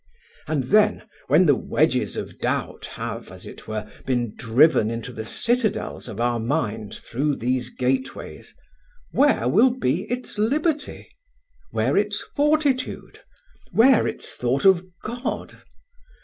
And then, when the wedges of doubt have, as it were, been driven into the citadels of our minds through these gateways, where will be its liberty? where its fortitude? where its thought of God?